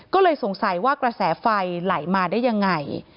ก็เลยสงสัยว่ากระแสไฟไหลมาได้ยังไง